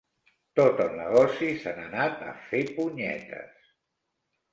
Tot el negoci se n'ha anat a fer punyetes.